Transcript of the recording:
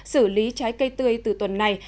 xử lý trái cây tươi từ tuần này